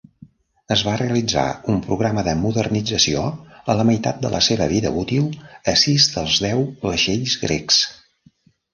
Es va realitzar un programa de modernització a la meitat de la seva vida útil a sis dels deu vaixells grecs.